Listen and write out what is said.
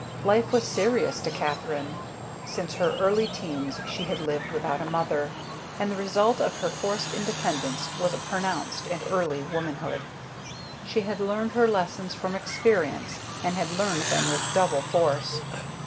Life was serious to Katherine. Since her early teens she had lived without a mother, and the result of her forced independence was a pronounced and early womanhood. She had learned her lessons from experience and had learned them with double force.